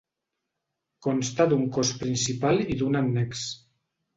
Consta d'un cos principal i d'un annex.